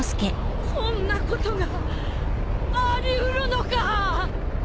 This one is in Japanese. こんなことがあり得るのか！？